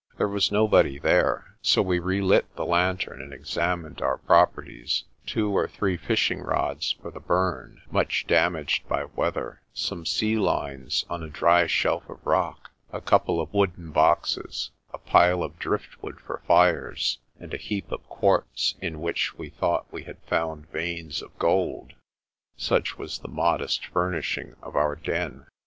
There was nobody there, so we relit the lantern and ex amined our properties. Two or three fishing rods for the burn, much damaged by weather; some sea lines on a dry shelf of rock; a couple of wooden boxes; a pile of drift wood for fires, and a heap of quartz in which we thought we had found veins of gold such was the modest fur nishing of our den.